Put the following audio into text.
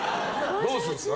どうするんですか？